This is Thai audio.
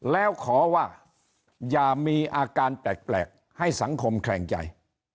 แล้วขอว่าอย่ามีอาการแปลกให้สังคมแขลงใจ